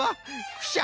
クシャ。